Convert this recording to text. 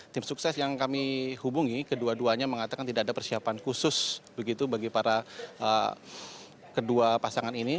tim sukses yang kami hubungi kedua duanya mengatakan tidak ada persiapan khusus begitu bagi para kedua pasangan ini